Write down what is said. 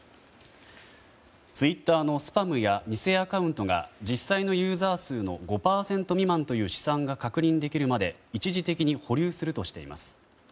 ツイッターのスパムや偽アカウントが実際のユーザー数の５％未満という試算が確認できるまで一時的に保留するとしています。